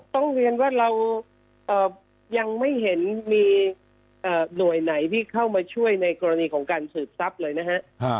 ต้องเรียนว่าเรายังไม่เห็นมีหน่วยไหนที่เข้ามาช่วยในกรณีของการสืบทรัพย์เลยนะฮะ